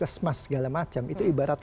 kesmas segala macam itu ibarat